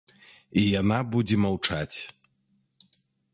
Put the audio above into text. І яна будзе маўчаць.